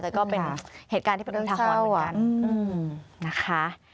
แต่ก็เป็นเหตุการณ์ที่เป็นอุทาหรณ์เหมือนกันนะคะ